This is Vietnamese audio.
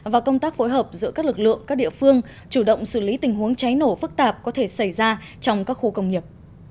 và công tác phối hợp giữa các lực lượng các địa phương chủ động xử lý tình huống cháy nổ phức tạp có thể xảy ra trong các khu công nghiệp